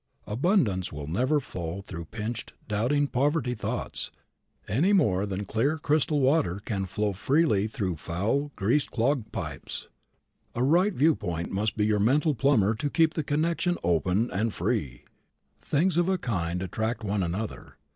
Abundance will never flow through pinched, doubting, poverty thoughts, any more than clear, crystal water can flow freely through foul, grease clogged pipes. A right viewpoint must be your mental plumber to keep the connection open and free. Things of a kind attract one another.